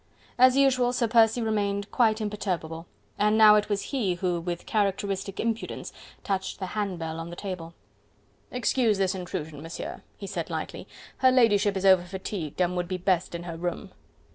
As usual Sir Percy remained quite imperturbable, and now it was he, who, with characteristic impudence, touched the hand bell on the table: "Excuse this intrusion, Monsieur," he said lightly, "her ladyship is overfatigued and would be best in her room."